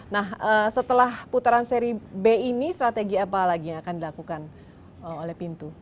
nah setelah putaran seri b ini strategi apa lagi yang akan dilakukan oleh pintu